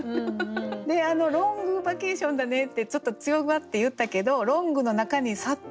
であの「ロングバケーションだね」ってちょっと強がって言ったけど「ロング」の中に「ｓａｄ」も入ってる。